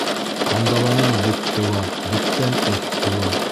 Ҡандаланан бет тыуа, беттән эт тыуа.